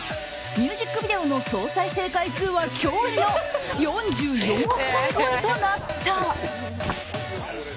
ミュージックビデオの総再生回数は驚異の４４億回超えとなった。